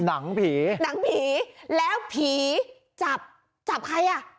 หนังผีหนังผีแล้วผีจับจับใครอ่ะ